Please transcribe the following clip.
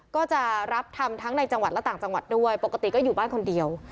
ก็จะรับทำทั้งในจังหวัดและต่างจังหวัดด้วยปกติก็อยู่บ้านคนเดียว